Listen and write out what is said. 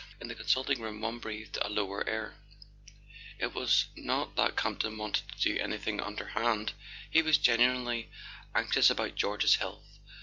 In the consulting room one breathed a lower air. [ 68 ] A SON AT THE FRONT It was not that Campton wanted to do anything underhand. He was genuinely anxious about George's health.